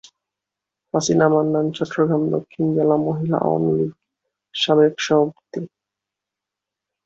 হাসিনা মান্নান চট্টগ্রাম দক্ষিণ জেলা মহিলা আওয়ামীলীগের সাবেক সভাপতি।